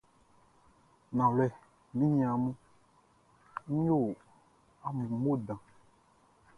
Nanwlɛ, mi niaan mun, n yo amun mo dan.